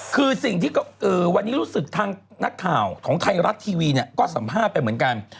คือสิ่งที่วันนี้รู้สึกทางนักข่าวของไทยรัฐทีวีเนี่ยก็สัมภาษณ์ไปเหมือนกัน